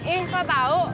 eh kok tau